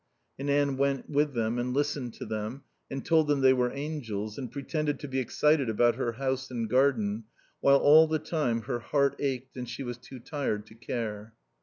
And Anne went with them and listened to them, and told them they were angels, and pretended to be excited about her house and garden, while all the time her heart ached and she was too tired to care.